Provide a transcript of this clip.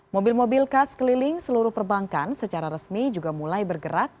mobil mobil khas keliling seluruh perbankan secara resmi juga mulai bergerak